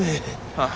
ああ。